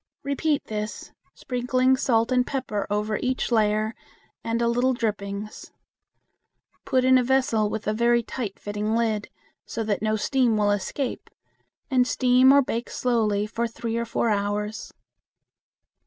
Repeat this, sprinkling salt and pepper over each layer and a little drippings. Put in a vessel with a very tight fitting lid, so that no steam will escape, and steam or bake slowly for three or four hours.